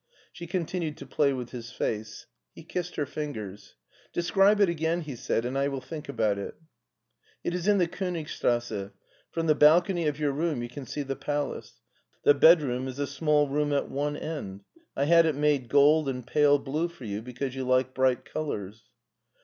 She continued to play with his face. He kissed her fingers. " Describe it again," he said, " and I will think about it." " It is in the Konigstrasse. From the balcony of your room you can see the Palace. The bedroom is a small room at one end ; I had it made gold and pale Uue for you, because you like bright colors."